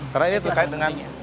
karena ini terkait dengan